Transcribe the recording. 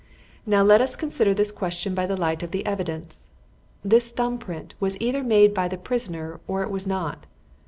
"Now let us consider this question by the light of the evidence. This thumb print was either made by the prisoner or it was not.